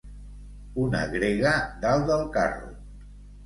Una grega dalt del carro.